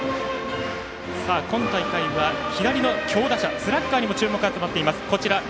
今大会は左の強打者スラッガーにも注目が集まっています。